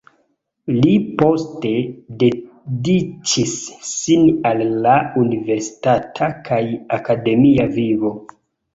Li poste dediĉis sin al la universitata kaj akademia vivo.